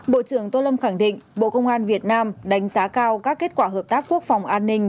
bộ trưởng tô lâm khẳng định bộ công an việt nam đánh giá cao các kết quả hợp tác quốc phòng an ninh